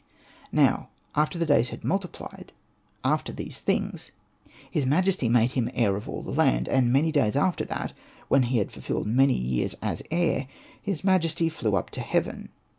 Now after the days had multiplied after these things, his majesty made him heir of all the land. And many days after that, when he had fulfilled many years as heir, his majesty flew up to heaven.